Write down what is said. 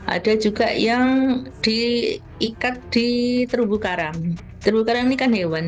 ada juga yang diikat di terumbu karang terumbu karang ini kan hewan